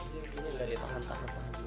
jadi akhirnya enggak deh tahan tahan tahan